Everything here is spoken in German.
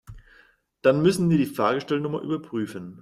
Dann müssen wir die Fahrgestellnummer überprüfen.